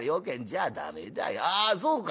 ああそうか。